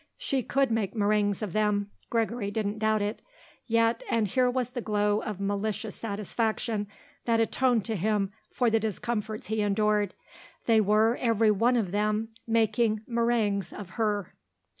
She could make méringues of them; Gregory didn't doubt it. Yet, and here was the glow of malicious satisfaction that atoned to him for the discomforts he endured, they were, every one of them, making méringues of her.